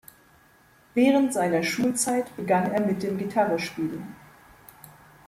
Während seiner Schulzeit begann er mit dem Gitarrespielen.